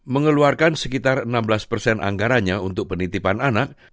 mengeluarkan sekitar enam belas anggarannya untuk penitipan anak